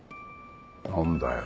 何だよ。